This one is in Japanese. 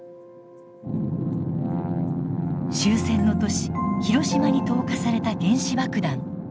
終戦の年広島に投下された原子爆弾。